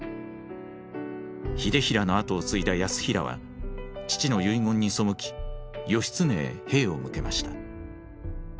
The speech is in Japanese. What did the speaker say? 秀衡の跡を継いだ泰衡は父の遺言に背き義経へ兵を向けました。